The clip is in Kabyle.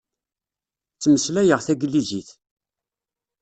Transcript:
Ttmeslayeɣ taglizit.